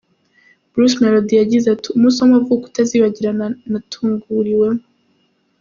Bruce Melody yagize ati "Umunsi w'amavuko utazibagirana natunguriweho.